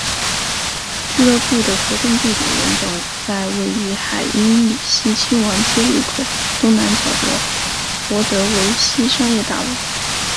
俱乐部的活动地点原本在位于海因里希亲王街路口东南角的博德维希商业大楼。